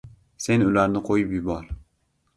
Sen ularni qo‘yib yubor.